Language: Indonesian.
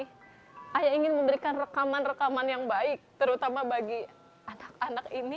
mereka akan memiliki kekuatan yang lebih baik untuk mereka